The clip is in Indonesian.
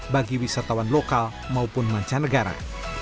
bagi wisatawan lokal maupun mancanegara